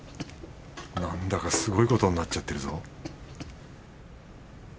なんだかすごいことになっちゃってるぞ